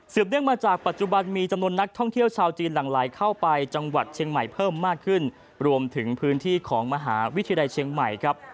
เนื่องมาจากปัจจุบันมีจำนวนนักท่องเที่ยวชาวจีนหลั่งไหลเข้าไปจังหวัดเชียงใหม่เพิ่มมากขึ้นรวมถึงพื้นที่ของมหาวิทยาลัยเชียงใหม่ครับ